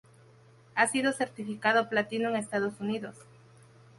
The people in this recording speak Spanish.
Ha sido certificado Platino en Estados Unidos.